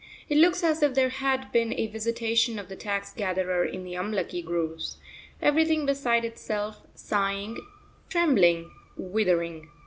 It looks as if there had been a visitation of the tax gatherer in the Amlaki groves, everything beside itself, sighing, trembling, withering.